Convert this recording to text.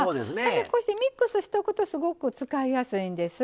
こうしてミックスしておくとすごく使いやすいんです。